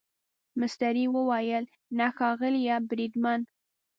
مستري وویل نه ښاغلی بریدمن.